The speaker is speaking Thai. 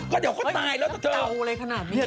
เดี๋ยวเขาตายแล้วเดี๋ยวเต๋าอะไรขนาดนี้